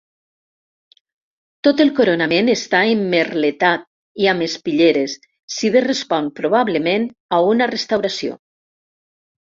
Tot el coronament està emmerletat i amb espitlleres, si bé respon probablement a una restauració.